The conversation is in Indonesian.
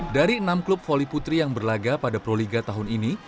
dari enam klub voli putri yang berlaga pada proliga tahun ini